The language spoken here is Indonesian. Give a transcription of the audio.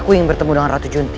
aku ingin bertemu dengan ratu junti